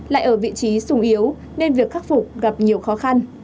từ vị trí sùng yếu nên việc khắc phục gặp nhiều khó khăn